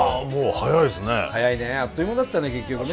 早いねあっという間だったね結局ね。